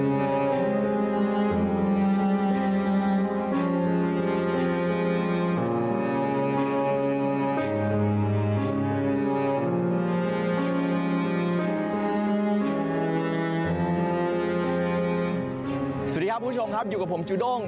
สวัสดีครับคุณผู้ชมครับอยู่กับผมจูด้ง